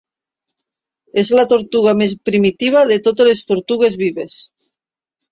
És la tortuga més primitiva de totes les tortugues vives.